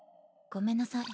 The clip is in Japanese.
ごめんなさい。